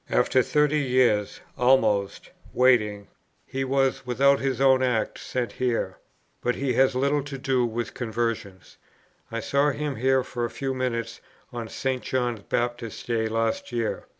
After thirty years' (almost) waiting, he was without his own act sent here. But he has had little to do with conversions. I saw him here for a few minutes on St. John Baptist's day last year.